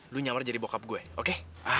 lu nyamar jadi bokap gue oke